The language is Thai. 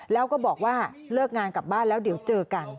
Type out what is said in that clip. แล้วก็บอกว่าเลิกงานกลับบ้านแล้วเดี๋ยวเจอกัน